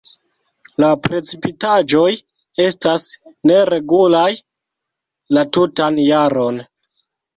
La precipitaĵoj estas neregulaj la tutan jaron.